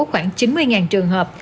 khoảng chín mươi trường hợp